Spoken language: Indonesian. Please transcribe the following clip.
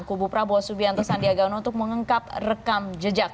kubu prabowo subianto sandiaga uno untuk mengungkap rekam jejak